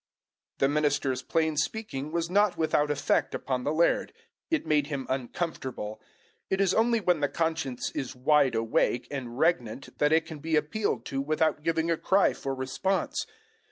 The minister's plain speaking was not without effect upon the laird. It made him uncomfortable. It is only when the conscience is wide awake and regnant that it can be appealed to without giving a cry for response.